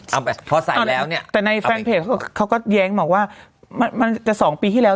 เอาไปพอใส่แล้วเนี่ยแต่ในแฟนเพจเขาก็แย้งมาว่ามันจะสองปีที่แล้ว